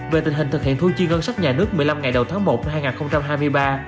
về tình hình thực hiện thu chi ngân sách nhà nước một mươi năm ngày đầu tháng một năm hai nghìn hai mươi ba